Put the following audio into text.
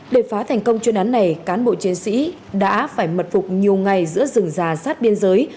để phá thành công chuyên án này cán bộ chiến sĩ đã phải mật phục nhiều ngày giữa rừng già sát biên giới